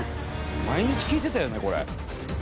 毎日聞いてたよねこれ。